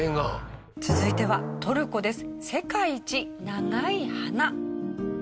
続いてはトルコです。